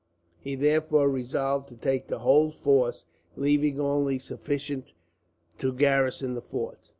He therefore resolved to take the whole force, leaving only sufficient to garrison the fort.